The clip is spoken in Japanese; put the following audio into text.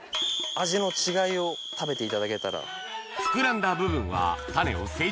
味の違いを食べていただけたら。